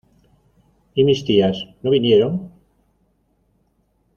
¿Y mis tías? no vinieron.